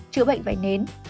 chữa bệnh vải nến